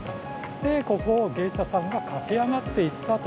でここを芸者さんが駆け上がって行ったと。